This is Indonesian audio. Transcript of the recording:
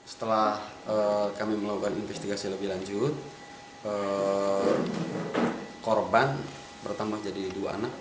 setelah kami melakukan investigasi lebih lanjut korban bertambah jadi dua anak